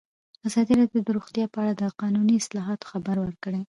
ازادي راډیو د روغتیا په اړه د قانوني اصلاحاتو خبر ورکړی.